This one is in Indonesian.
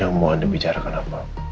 yang mau anda bicarakan apa